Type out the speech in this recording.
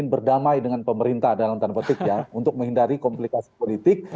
untuk menghidupkan kompleksi politik